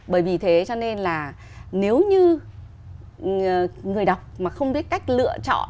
bởi vì thế cho nên là nếu như người đọc mà không biết cách lựa chọn